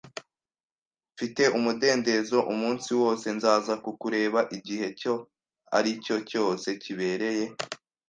Mfite umudendezo umunsi wose, nzaza kukureba igihe icyo ari cyo cyose kibereye